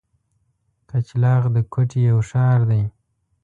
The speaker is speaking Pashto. کچلاغ د کوټي یو ښار دی.